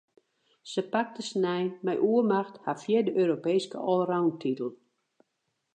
Se pakte snein mei oermacht har fjirde Europeeske allroundtitel.